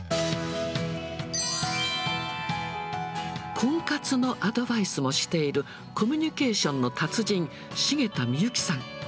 婚活のアドバイスもしている、コミュニケーションの達人、重田みゆきさん。